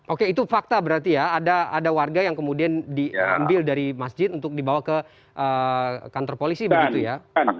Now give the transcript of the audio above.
oke itu fakta berarti ya ada warga yang kemudian diambil dari masjid untuk dibawa ke kantor polisi begitu ya